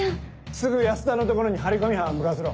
すぐ安田の所に張り込み班向かわせろ。